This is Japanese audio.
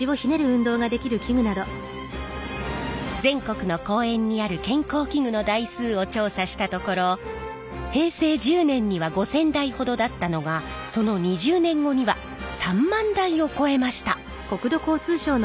全国の公園にある健康器具の台数を調査したところ平成１０年には５，０００台ほどだったのがその２０年後には３万台を超えました！